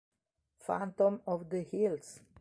Phantom of the Hills